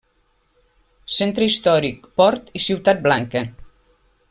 Centre històric, Port i Ciutat Blanca.